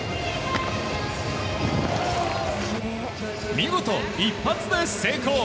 見事、一発で成功！